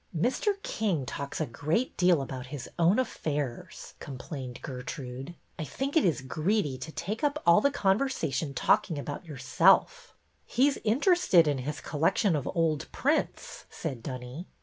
'' Mr. King talks a great deal about his own affairs," complained Gertrude. '' I think it is greedy to take up all the conversation talking about yourself." He 's interested in his collection of old prints," said Dunny.